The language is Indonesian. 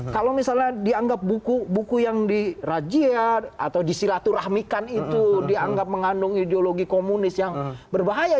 kalau misalnya dianggap buku yang dirajia atau disilaturahmikan itu dianggap mengandung ideologi komunis yang berbahaya